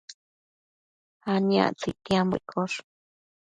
aniactsëc ictiambo iccosh